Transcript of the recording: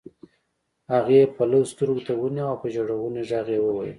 هغې پلو سترګو ته ونيوه او په ژړغوني غږ يې وويل.